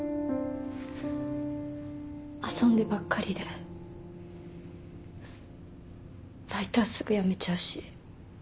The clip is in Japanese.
遊んでばっかりでバイトはすぐ辞めちゃうし。